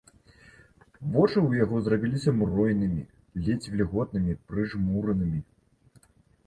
Вочы ў яго зрабіліся мройнымі, ледзь вільготнымі, прыжмуранымі.